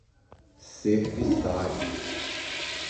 serviçais